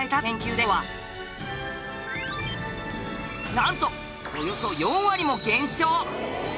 なんとおよそ４割も減少！